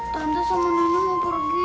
tante sama nenek mau pergi